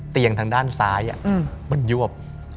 ทางด้านซ้ายมันยวบ